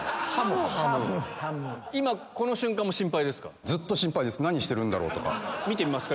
今この瞬間も心配ですか？